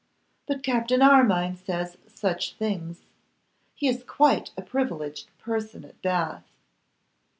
But Captain Armine says such things! He is quite a privileged person at Bath!